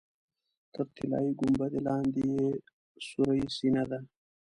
تر طلایي ګنبدې لاندې یې سورۍ سینه ده.